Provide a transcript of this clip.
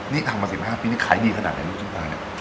นี่ทำมา๑๕ปีนี่ขายดีขนาดไหนลูกชิ้นปลาเนี่ย